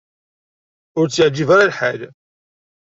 Ur tt-yeɛjib ara lḥal.